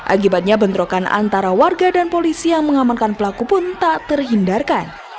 akibatnya bentrokan antara warga dan polisi yang mengamankan pelaku pun tak terhindarkan